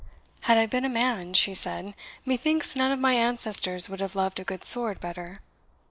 "Had I been a man," she said, "methinks none of my ancestors would have loved a good sword better.